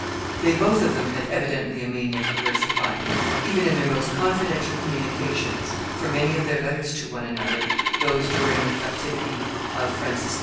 They, both of them, had evidently a mania for versifying, even in their most confidential communications, for many of their letters to one another, those during the captivity of Francis I.